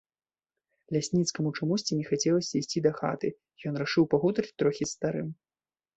Лясніцкаму чамусьці не хацелася ісці дахаты, ён рашыў пагутарыць трохі з старым.